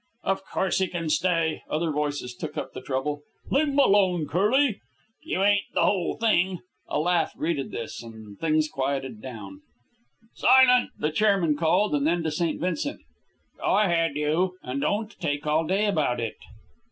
"Of course he can stay," other voices took up the trouble. "Leave him alone, Curley." "You ain't the whole thing." A laugh greeted this, and things quieted down. "Silence!" the chairman called, and then to St. Vincent, "Go ahead, you, and don't take all day about it."